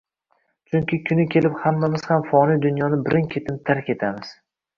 Chunki kuni kelib hammamiz ham foniy dunyoni birin-ketin tark etamiz.